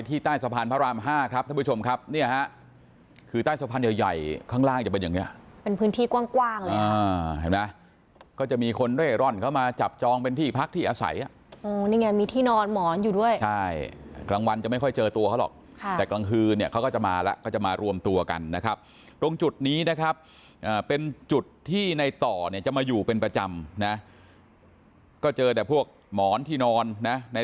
ตราบห้าครับท่านผู้ชมครับเนี่ยฮะคือใต้สภัณฑ์ใหญ่ใหญ่ข้างล่างจะเป็นอย่างเนี้ยเป็นพื้นที่กว้างกว้างเลยอ่าเห็นมั้ยก็จะมีคนเร่ร่อนเขามาจับจองเป็นที่พักที่อาศัยอ่ะโอ้นี่ไงมีที่นอนหมอนอยู่ด้วยใช่กลางวันจะไม่ค่อยเจอตัวเขาหรอกค่ะแต่กลางคืนเนี้ยเขาก็จะมาแล้วก็จะมารวมตัวกันนะครับตรงจุดนี้นะ